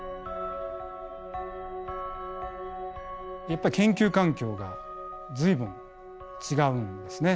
やっぱ研究環境が随分違うんですね。